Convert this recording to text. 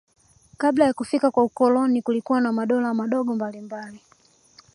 Kabla ya kufika kwa ukoloni kulikuwa na madola madogo mbalimbali